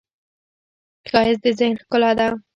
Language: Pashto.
ښایست د ذهن ښکلا ده